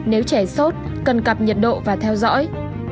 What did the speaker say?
nếu trẻ sốt cần cặp nhiệt độ và theo dõi